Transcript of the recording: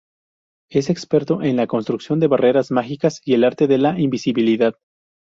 Es experto en la construcción de barreras mágicas y el arte de la invisibilidad.